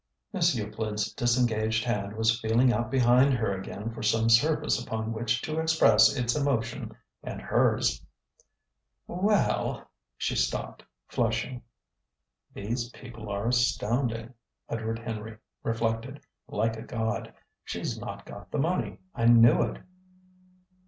Miss Euclid's disengaged hand was feeling out behind her again for some surface upon which to express its emotion and hers. "Well " she stopped, flushing. ("These people are astounding," Edward Henry reflected, like a god. "She's not got the money. I knew it!")